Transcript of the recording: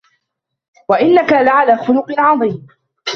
وَإِنَّكَ لَعَلى خُلُقٍ عَظيمٍ